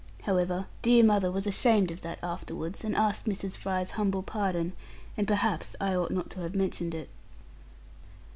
However, dear mother was ashamed of that afterwards, and asked Mrs. Fry's humble pardon; and perhaps I ought not to have mentioned it.